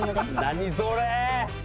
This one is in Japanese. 何それ！